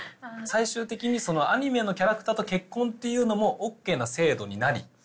最終的にアニメのキャラクターと結婚っていうのもＯＫな制度になり。